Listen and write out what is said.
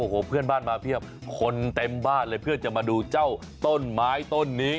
โอ้โหเพื่อนบ้านมาเพียบคนเต็มบ้านเลยเพื่อจะมาดูเจ้าต้นไม้ต้นนี้